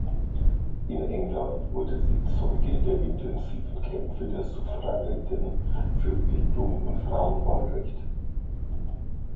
In England wurde sie Zeuge der intensiven Kämpfe der Suffragetten für Bildung und Frauenwahlrecht.